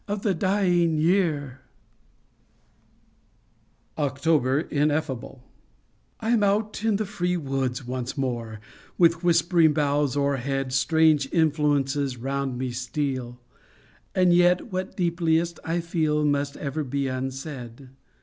94 OCTOBER INEFFABLE OCTOBER INEFFABLE I 'm out in the free woods once more, With whispering boughs o'erhead, Strange influences round me steal. And yet, what deepliest I feel Must ever be unsaid.